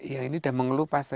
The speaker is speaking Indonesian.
ini sudah mengelupas